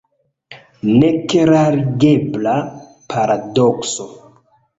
Neklarigebla paradokso!